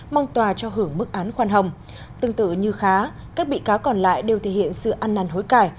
mong tòa cho hưởng mức án khoan hồng tương tự như khá các bị cáo còn lại đều thể hiện sự ăn năn hối cải